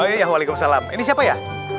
waalaikumsalam ini siapa ya